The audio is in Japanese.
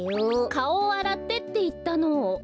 「かおをあらって」っていったの！